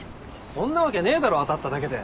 そんなわけねえだろ当たっただけで。